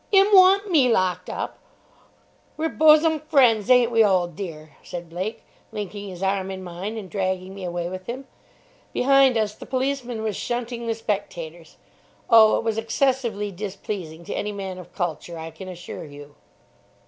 "'Im want me locked up? We're bosum fren's, ain't we, old dear?" said Blake, linking his arm in mine and dragging me away with him. Behind us, the policeman was shunting the spectators. Oh, it was excessively displeasing to any man of culture, I can assure you.